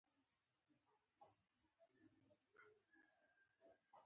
هغه به ډېر وخت ته ضرورت ولري.